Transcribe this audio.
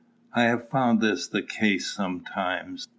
I have found this the case sometimes.